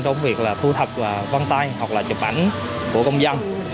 trong việc là thu thập và văn tay hoặc là chụp ảnh của công dân